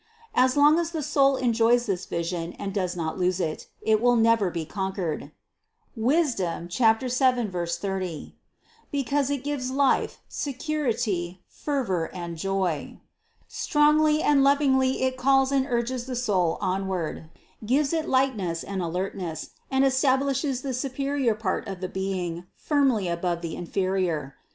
As long as the soul enjoys this vision and does not lose it, it will never be conquered (Wis. 7, 30), because it gives life, security, fervor and 38 CITY OF GOD joy. Strongly and lovingly it calls and urges the soul onward, gives it lightness and alertness, and establishes the superior part of the being firmly above the inferior.